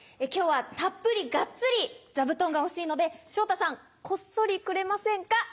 今日はたっぷりがっつり座布団がほしいので昇太さんこっそりくれませんか？